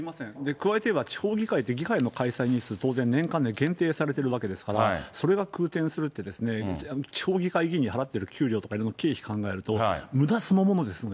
加えて言えば、地方議会って、議会の開催日数、当然年間で限定されているわけですから、それが空転するとですね、地方議会議員に払ってる給料とか経費考えると、むだそのものですね。